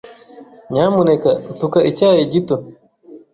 Nyamuneka nsuka icyayi gito.